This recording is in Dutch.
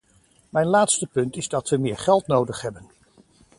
Mijn laatste punt is dat we meer geld nodig hebben.